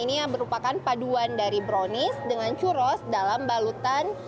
ini yang merupakan paduan dari brownies dengan churros dalam balutan